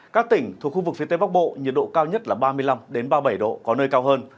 các tỉnh thuộc khu vực phía tây bắc bộ nhiệt độ cao nhất là ba mươi năm ba mươi bảy độ có nơi cao hơn